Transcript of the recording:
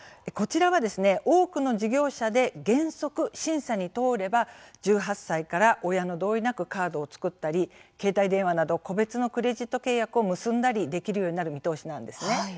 こちらは多くの事業者で原則審査に通れば１８歳から親の同意なくカードを作ったり携帯電話など個別のクレジット契約を結んだりできるようにする見通しです。